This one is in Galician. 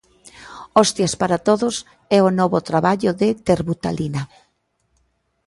'Hostias para todos' é o novo traballo da Terbutalina.